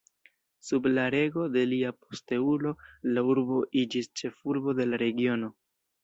Sub la rego de lia posteulo la urbo iĝis ĉefurbo de la regiono.